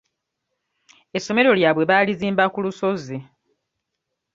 Essomero lyabwe baalizimba ku lusozi.